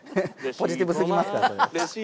ポジティブすぎますからそれ。